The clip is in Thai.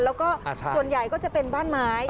แล้วก็ส่วนใหญ่ก็จะเป็นบ้านไม้